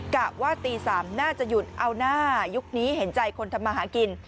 กะว่าตี๓น่าจะหยุดเอาหน้ายุคนี้เห็นใจคนทำมาหากิน